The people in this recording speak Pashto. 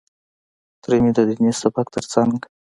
تره مې د ديني سبق تر څنګ.